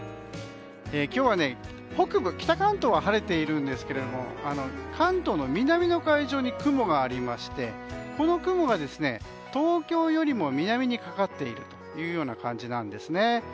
今日は北部北関東は晴れているんですが関東の南の海上に雲がありましてこの雲が、東京よりも南にかかっているという感じなんです。